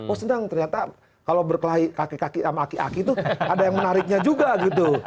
oh sedang ternyata kalau berkelahi kaki kaki sama aki aki tuh ada yang menariknya juga gitu